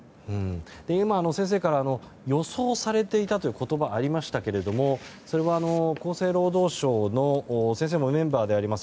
今、先生から予想されていたという言葉がありましたがそれは、厚生労働省の先生もメンバーであります